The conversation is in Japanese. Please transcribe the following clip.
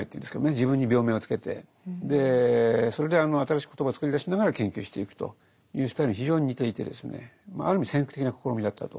自分に病名を付けてそれで新しい言葉をつくり出しながら研究していくというスタイルに非常に似ていてですねある意味先駆的な試みだったと。